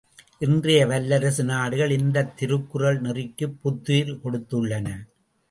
இன்றைய வல்லரசு நாடுகள் இந்தத் திருக்குறள் நெறிக்குப் புத்துயிர் கொடுத்துள்ளன.